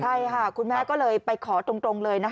ใช่ค่ะคุณแม่ก็เลยไปขอตรงเลยนะคะ